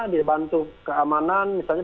dibantu keamanan misalnya